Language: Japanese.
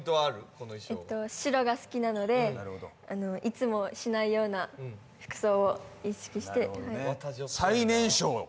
この衣装白が好きなのでいつもしないような服装を意識して最年少